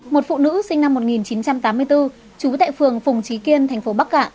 một phụ nữ sinh năm một nghìn chín trăm tám mươi bốn trú tại phường phùng trí kiên thành phố bắc cạn